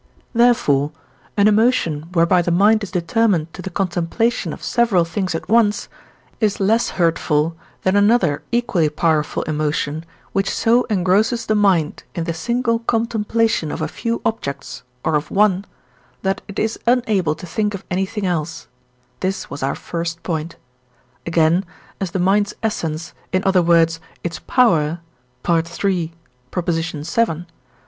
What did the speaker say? therefore, an emotion, whereby the mind is determined to the contemplation of several things at once, is less hurtful than another equally powerful emotion, which so engrosses the mind in the single contemplation of a few objects or of one, that it is unable to think of anything else; this was our first point. Again, as the mind's essence, in other words, its power (III. vii.)